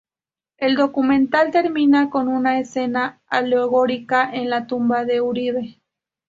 El documental termina con una escena alegórica en la tumba de Uribe.